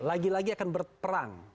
lagi lagi akan berperang